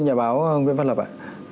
xin chào báo nguyễn văn lập ạ